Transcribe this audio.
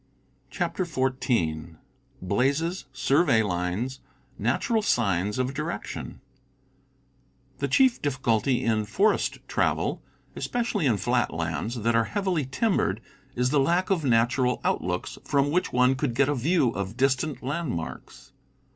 CHAPTER XIV BLAZES— SURVEY LINES— NATURAL SIGNS OF DIRECTION T^HE chief difficulty in forest travel, especially in * flat lands that are heavily timbered, is the lack of natural outlooks from which one could get a view of distant landmarks.